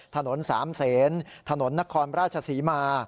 ถนนสามเศษถนนนครราชศรีมา